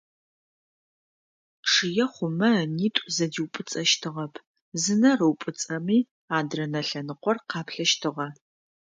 Чъые хъумэ ынитӏу зэдиупӏыцӏэщтыгъэп, зы нэр ыупӏыцӏэми адрэ нэ лъэныкъор къаплъэщтыгъэ.